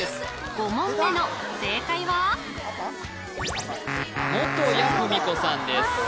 ５問目の正解は元谷芙美子さんです